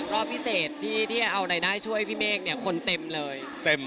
รอบพิเศษที่จะเอารายได้ช่วยพี่เมฆเนี่ยคนเต็มเลย